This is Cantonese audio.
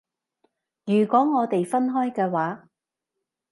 如果我哋分開嘅話